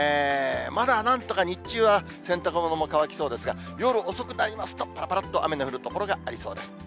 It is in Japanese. まだ、なんとか日中は洗濯物も乾きそうですが、夜遅くなりますと、ぱらぱらっと雨の降る所がありそうです。